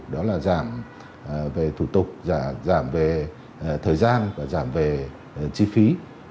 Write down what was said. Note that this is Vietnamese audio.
đó là giảm về thủ tục giảm về thời gian và giảm về chi phí